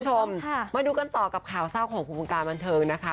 คุณผู้ชมมาดูกันต่อกับข่าวเศร้าของวงการบันเทิงนะคะ